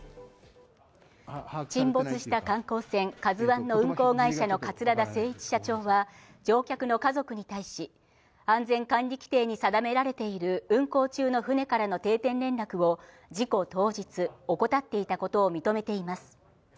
沈没した観光船「ＫＡＺＵ１」の運航会社の桂田精一社長は乗客の家族に対し、安全管理規程に定められている運航中の船からの定点連絡を事故当日、怠っていたことを認めています。